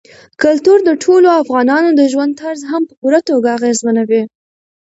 کلتور د ټولو افغانانو د ژوند طرز هم په پوره توګه اغېزمنوي.